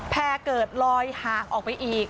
เกิดลอยห่างออกไปอีก